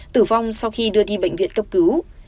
tử vong sau khi đưa đi bệnh viện cấp cứu